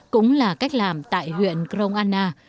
cũng là cách làm tại huyện cron anna